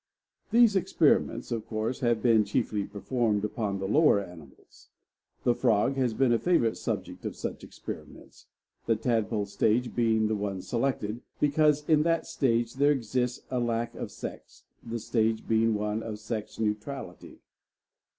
These experiments, of course, have been chiefly performed upon the lower animals. The frog has been a favorite subject of such experiments the tadpole stage being the one selected, because in that stage there exists a lack of sex, the stage being one of sex neutrality.